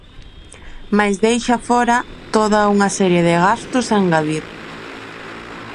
Mais deixa fóra toda unha serie de gastos a engadir.